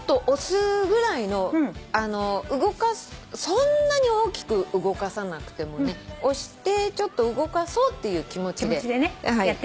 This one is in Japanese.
そんなに大きく動かさなくてもね押してちょっと動かそうっていう気持ちで。